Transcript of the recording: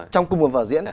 trong cùng một vở diễn